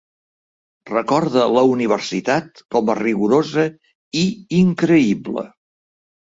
Recorda la universitat com a "rigorosa" i "increïble".